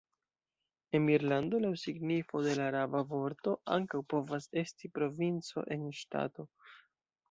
Emirlando, laŭ signifoj de la araba vorto, ankaŭ povas esti provinco en ŝtato.